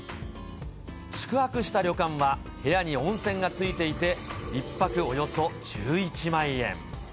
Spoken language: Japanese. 宿泊した旅館は、部屋に温泉がついていて、１泊およそ１１万円。